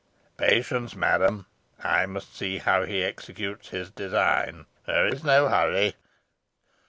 Patience, madam, I must see how he executes his design. There is no hurry.